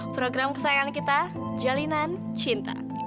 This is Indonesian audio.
program kesayangan kita jalinan cinta